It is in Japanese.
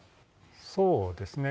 そうですね。